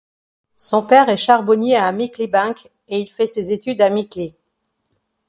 Son père est charbonnier à Mickleybank et il fait ses études à Mickley.